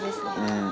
うん。